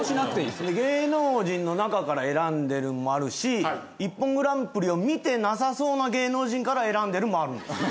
芸能人の中から選んでるんもあるし『ＩＰＰＯＮグランプリ』を見てなさそうな芸能人から選んでるもあるんですよ。